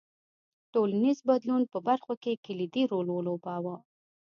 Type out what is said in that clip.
ټولنیز بدلون په برخو کې کلیدي رول ولوباوه.